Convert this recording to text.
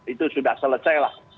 itu sudah selesai lah